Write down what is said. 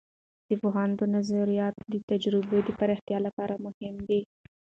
د پوهاند نظریات د تجربو د پراختیا لپاره مهم دي.